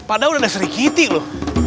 padahal udah ada sri kitty loh